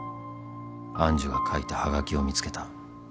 ［愛珠が書いたはがきを見つけた］